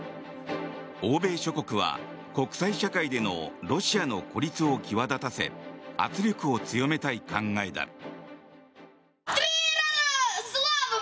欧米諸国は国際社会でのロシアの孤立を際立たせ圧力を強めたい考えだ。